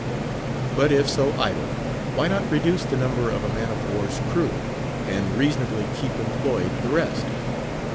But if so idle, why not reduce the number of a man of war's crew, and reasonably keep employed the rest?